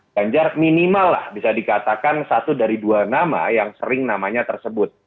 ganjar minimal lah bisa dikatakan satu dari dua nama yang sering namanya tersebut